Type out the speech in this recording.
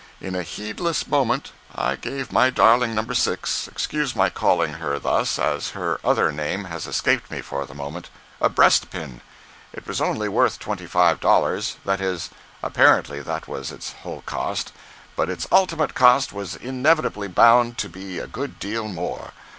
In a heedless moment I gave my darling No. 6—excuse my calling her thus, as her other name has escaped me for the moment—a breast pin. It was only worth twenty five dollars—that is, apparently that was its whole cost—but its ultimate cost was inevitably bound to be a good deal more.